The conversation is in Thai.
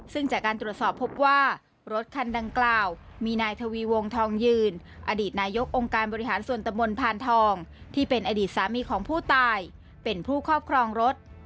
ซึ่งจากการตรวจสอบพบว่ารถคันดังกล่าวมีนายทวีวงทองยืนอดีตนายกองค์การบริหารส่วนตะมนต์พานทองที่เป็นอดีตสามีของผู้ตายเป็นผู้ครอบครองรถ